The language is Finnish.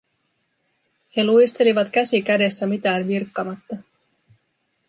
He luistelivat käsi kädessä mitään virkkamatta.